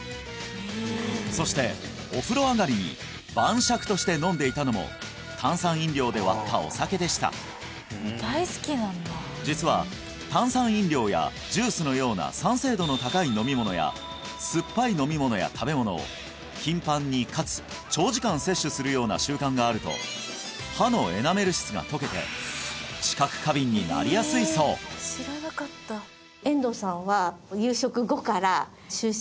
そしてお風呂上がりに晩酌として飲んでいたのも炭酸飲料で割ったお酒でした実は炭酸飲料やジュースのような酸性度の高い飲み物や酸っぱい飲み物や食べ物を頻繁にかつ長時間摂取するような習慣があると歯のエナメル質が溶けて知覚過敏になりやすいそうと考えていいと思います